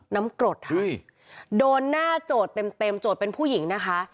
กรดค่ะโดนหน้าโจทย์เต็มโจทย์เป็นผู้หญิงนะคะ